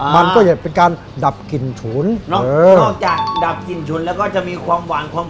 มันก็จะเป็นการดับกลิ่นฉุนเนอะนอกจากดับกลิ่นฉุนแล้วก็จะมีความหวานความ